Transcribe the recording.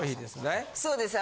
そうです。